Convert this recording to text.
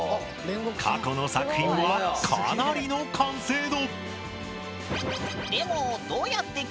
過去の作品はかなりの完成度！